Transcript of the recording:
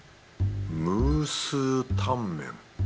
ムースータンメン？